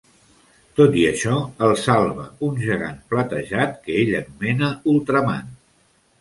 Tot i això, el salva un gegant platejat que ell anomena "Ultraman".